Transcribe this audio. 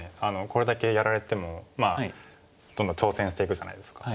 これだけやられてもどんどん挑戦していくじゃないですか。